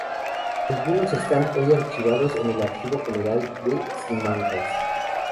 Algunos están hoy archivados en el Archivo General de Simancas.